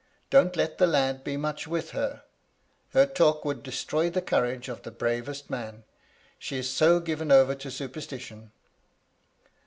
* Don't let the lad be much with her ; her talk would destroy the courage of the bravest man ; she is so given over to superstition.'